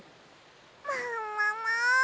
ももも！